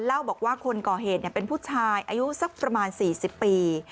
เล่าบอกว่าคนก่อเหตุเป็นผู้ชายอายุสักประมาณ๔๐ปี